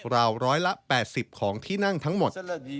ราวร้อยละ๘๐ของที่นั่งทั้งหมด